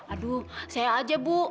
aduh saya aja bu